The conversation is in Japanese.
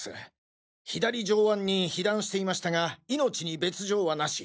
左上腕に被弾していましたが命に別条はなし。